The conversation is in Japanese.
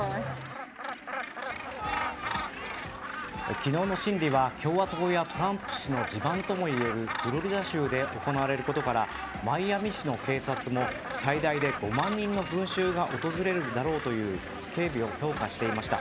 昨日の審理は共和党やトランプ氏の地盤ともいえるフロリダ州で行われることからマイアミ市の警察も最大で５万人の群衆が訪れるだろうと警備を強化していました。